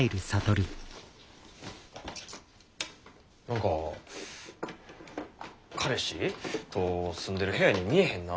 何か彼氏と住んでる部屋に見えへんな。